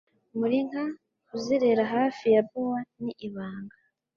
Muri nka, kuzerera hafi ya bower ni ibanga,